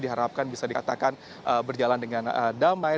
diharapkan bisa dikatakan berjalan dengan damai